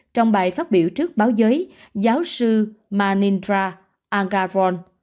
trong bài phát biểu trước báo giới giáo sư manindra agarwal